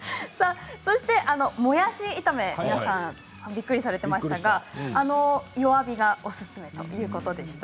そして、もやし炒め、皆さんびっくりされていましたが弱火がおすすめということでした。